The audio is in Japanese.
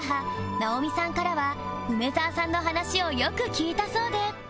ナオミさんからは梅沢さんの話をよく聞いたそうで